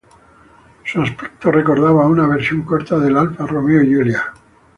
Su aspecto recordaba a una versión corta del Alfa Romeo Giulia.